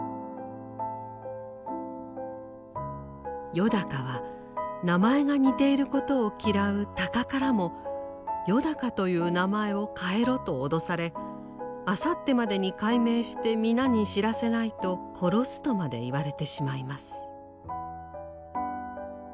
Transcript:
よだかは名前が似ていることを嫌う鷹からも「よだかという名前を変えろ」と脅され「あさってまでに改名して皆に知らせないと殺す」とまで言われてしまいます。